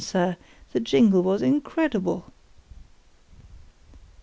Sir, the jingle was incredible.